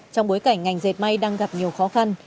trong bối cảnh ngành dệt may đang gặp nhiều khó khăn